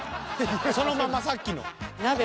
そのままさっきの。